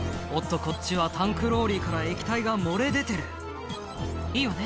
こっちはタンクローリーから液体が漏れ出てる「いいわね